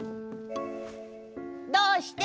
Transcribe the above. どうして？